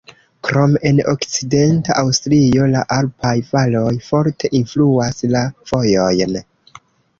Krome en okcidenta Aŭstrio la alpaj valoj forte influas la vojojn.